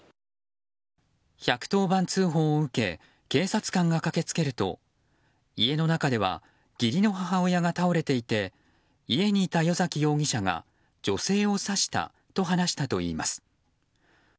１１０番通報を受け警察官が駆けつけると家の中では義理の母親が倒れていて家にいた与崎容疑者が女性を刺したと話したといいます。